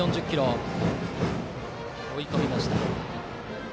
追い込みました。